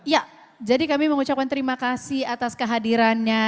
ya jadi kami mengucapkan terima kasih atas kehadirannya